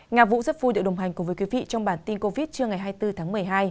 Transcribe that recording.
nga vũ rất vui được đồng hành cùng với quý vị trong bản tin covid trưa ngày hai mươi bốn tháng một mươi hai